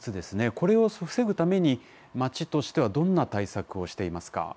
これを防ぐために町としてはどんな対策をしていますか。